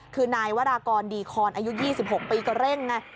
คือนายวรากรดีคอนอายุ๒๖ปีก็เร่งไง